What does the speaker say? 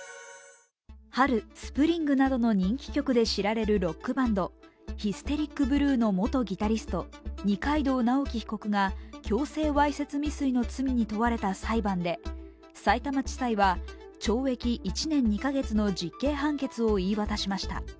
「春ｓｐｒｉｎｇ」などの曲で有名なロックバンド、ヒステリックブルーの元ギタリスト、二階堂直樹被告が強制わいせつ未遂の罪に問われた裁判でさいたま地裁は懲役１年２カ月の実刑判決を言い渡しました。